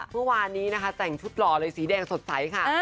เมื่อวานนี้นะคะแต่งชุดหล่อเลยสีแดงสดใสค่ะ